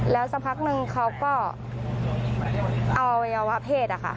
แล้วสักพักนึงเขาก็เอาอวัยวะเพศ